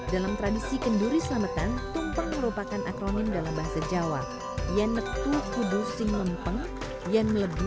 dalam tradisi kenduri selamatan tumpeng merupakan akronim dalam bahasa jawa